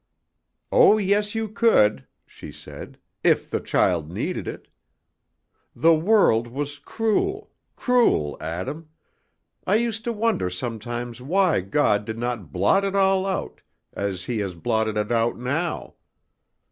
"Oh, yes, you could," she said, "if the child needed it. The world was cruel, cruel, Adam; I used to wonder sometimes why God did not blot it all out, as He has blotted it out now.